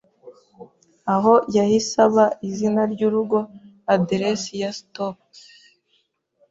aho yahise aba izina ry'urugo Aderesi ya Stokes